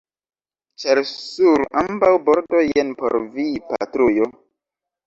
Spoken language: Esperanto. Ĉar sur ambaŭ bordoj jen por vi patrujo.